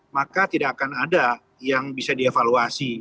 maka tidak akan ada yang bisa dievaluasi